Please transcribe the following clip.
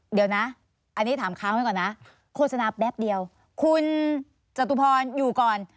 เดี๋ยวนะอันนี้ถามค้างไว้ก่อนนะโฆษณาแป๊บเดียวคุณจตุพรอยู่ก่อน